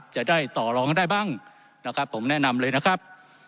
จะได้ต่อรองได้บ้างนะครับผมแนะนำเลยนะครับ